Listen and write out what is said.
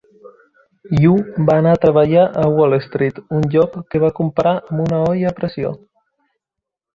Yu va anar a treballar a Wall Street, un lloc que va comparar amb una olla a pressió.